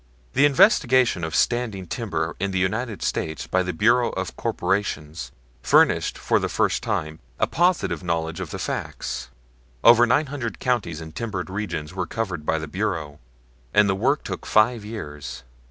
The investigation of standing timber in the United States by the Bureau of Corporations furnished for the first time a positive knowledge of the facts. Over nine hundred counties in timbered regions were covered by the Bureau, and the work took five years.